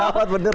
oh jerawat bener